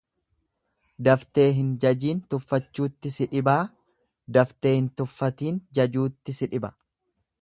Daftee hin jajiin tuffachuutti si dhibaa daftee hin tuffatiin jajuutti si dhiba.